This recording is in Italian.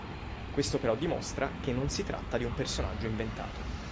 Questo però dimostra che non si tratta di un personaggio inventato.